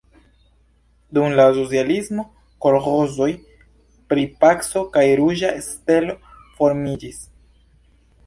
Dum la socialismo kolĥozoj pri Paco kaj Ruĝa Stelo formiĝis.